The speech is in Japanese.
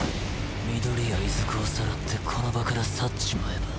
緑谷出久をさらってこの場から去っちまえば